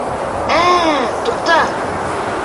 Ә, туҡта.